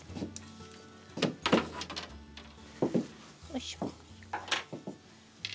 よいしょ。